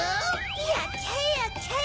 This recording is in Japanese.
やっちゃえやっちゃえ！